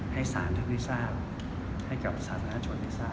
ให้สาธารณิษฐาให้กับศาสนาชนิษฐา